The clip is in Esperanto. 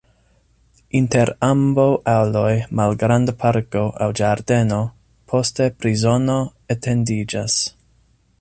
Inter ambaŭ aloj malgranda parko aŭ ĝardeno, poste prizono etendiĝas.